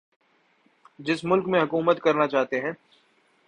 جس ملک میں حکومت کرنا چاہتے ہیں